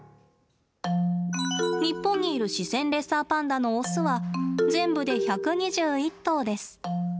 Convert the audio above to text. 日本にいるシセンレッサーパンダのオスは全部で１２１頭です。